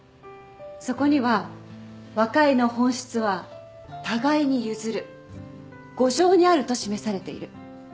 そこには和解の本質は互いに譲る互譲にあると示されている。